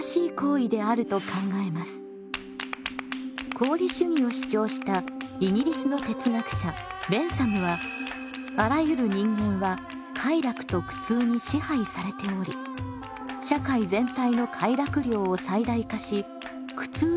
功利主義を主張したイギリスの哲学者ベンサムはあらゆる人間は快楽と苦痛に支配されており社会全体の快楽量を最大化し苦痛量を最小化するのが「正しい」